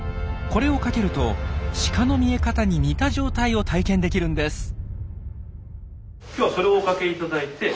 これをかけるとシカの見え方に似た状態を体験できるんです。